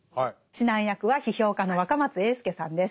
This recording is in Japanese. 指南役は批評家の若松英輔さんです。